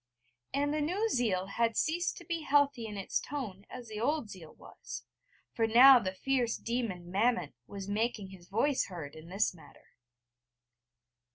And the new zeal had ceased to be healthy in its tone as the old zeal was: for now the fierce demon Mammon was making his voice heard in this matter.